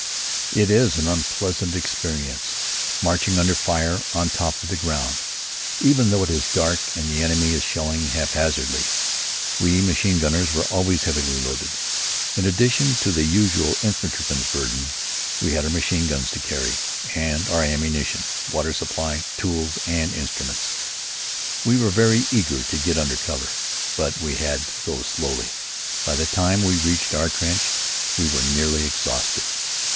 It is an unpleasant experience, marching under fire, on top of the ground, even though it is dark and the enemy is shelling haphazardly. We machine gunners were always heavily loaded. In addition to the usual infantryman's burden, we had our machine guns to carry, and our ammunition, water supply, tools and instruments. We were very eager to get under cover, but we had to go slowly. By the time we reached our trench we were nearly exhausted.